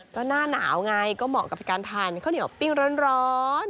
ก็หน้าหนาวไงก็เหมาะกับการทานข้าวเหนียวปิ้งร้อน